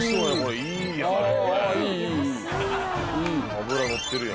脂乗ってるよ。